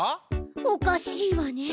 おかしいわね。